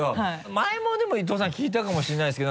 前もでも伊藤さん聞いたかもしれないですけど。